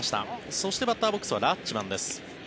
そしてバッターボックスはラッチマンです。